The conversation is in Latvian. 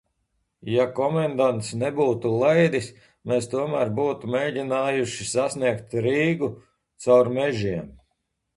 Ja komandants nebūtu laidis, mēs tomēr būtu mēģinājuši sasniegt Rīgu, cauri mežiem.